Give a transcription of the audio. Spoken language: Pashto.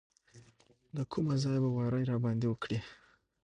له کومه ځایه به واری راباندې وکړي.